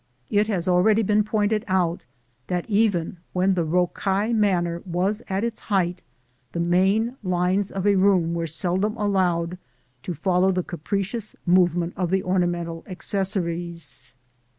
It has already been pointed out that even when the rocaille manner was at its height the main lines of a room were seldom allowed to follow the capricious movement of the ornamental accessories.